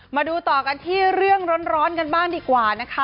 มาดูต่อกันที่เรื่องร้อนกันบ้างดีกว่านะคะ